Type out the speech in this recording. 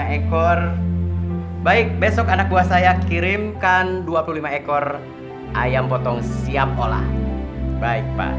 dua ekor baik besok anak buah saya kirimkan dua puluh lima ekor ayam potong siap olah baik pak